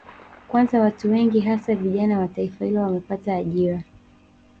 Kwanza watu wengi hasa vijana wa taifa hilo wamepata ajira